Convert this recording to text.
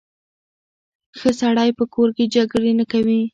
ښه سړی په کور کې جګړې نه کوي.